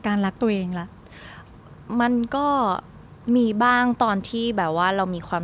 รักตัวเองละมันก็มีบ้างตอนที่แบบว่าเรามีความ